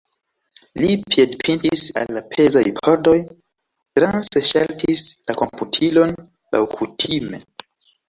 Li piedpintis al la pezaj pordoj, transe ŝaltis la komputilon laŭkutime.